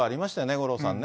五郎さんね。